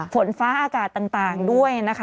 ฝนฟ้าอากาศต่างด้วยนะคะ